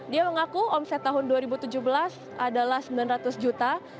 dia mengaku omset tahun dua ribu tujuh belas adalah sembilan ratus juta